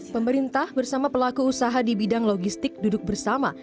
pemerintah bersama pelaku usaha di bidang logistik duduk bersama